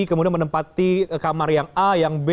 kemudian menempati kamar yang a yang b